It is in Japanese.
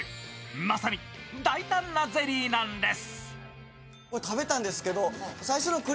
まさにだいたんなゼリーなんです。